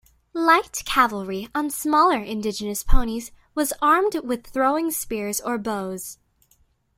Light cavalry on smaller indigenous ponies was armed with throwing spears or bows.